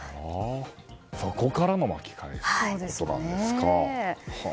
そこからの巻き返しということなんですか。